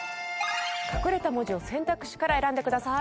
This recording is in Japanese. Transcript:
隠れた文字を選択肢から選んでください。